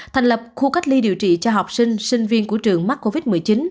thành lập khu cách ly điều trị cho học sinh sinh viên của trường mắc covid một mươi chín